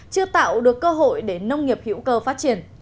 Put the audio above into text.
chưa tạo được cơ hội để nông nghiệp hữu cơ phát triển